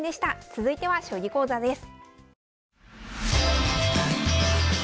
続いては将棋講座です。